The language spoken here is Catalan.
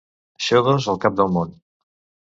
Xodos, al cap del món.